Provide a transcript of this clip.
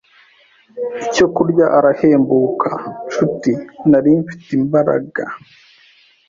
icyo kurya arahembuka. Nshuti, nari mfite imbaraga